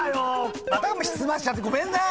また沈ませちゃってごめんね。